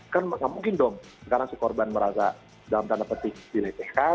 kan nggak mungkin dong sekarang si korban merasa dalam tanda petik dilecehkan